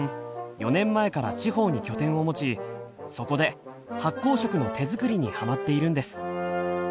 ４年前から地方に拠点を持ちそこで発酵食の手作りにハマっているんです。